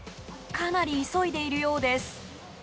かなり急いでいるようです。